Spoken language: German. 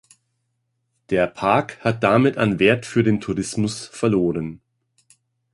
Der Park hat damit an Wert für den Tourismus verloren.